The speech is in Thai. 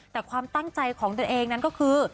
แต่ความตั้งใจของตัวเองนั้นก็คือ